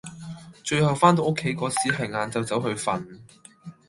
最後返到屋企個時係晏晝走去瞓